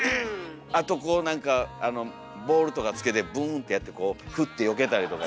あとこうなんかボールとかつけてブーンとやってこうフッとよけたりとか。